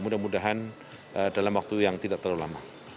mudah mudahan dalam waktu yang tidak terlalu lama